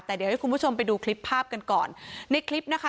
แต่เดี๋ยวให้คุณผู้ชมไปดูคลิปภาพกันก่อนในคลิปนะคะ